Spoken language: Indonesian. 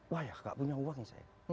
wah ya gak punya uang ya saya